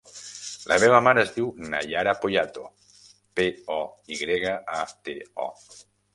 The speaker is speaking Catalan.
La meva mare es diu Naiara Poyato: pe, o, i grega, a, te, o.